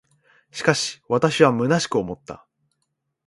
しかし、私は虚しく思った。